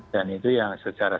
dan itu yang secara